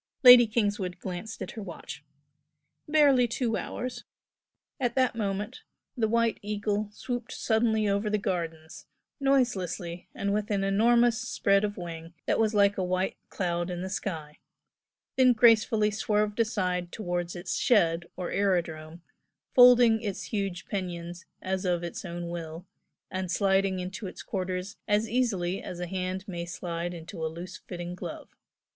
Lady Kingswood glanced at her watch. "Barely two hours." At that moment the "White Eagle" swooped suddenly over the gardens, noiselessly and with an enormous spread of wing that was like a white cloud in the sky then gracefully swerved aside towards its "shed" or aerodrome, folding its huge pinions as of its own will and sliding into its quarters as easily as a hand may slide into a loose fitting glove.